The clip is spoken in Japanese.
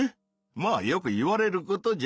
まあよく言われることじゃ。